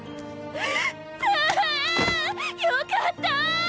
よかった！